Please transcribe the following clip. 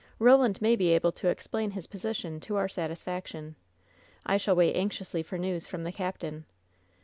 Roland may be able to explain his position to our satisfaction. I shall wait anxiously for news from the captain.